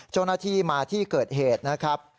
เจ้าหน้าที่มาที่เกิดเหตุนะครับ